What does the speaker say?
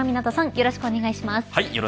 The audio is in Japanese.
よろしくお願いします。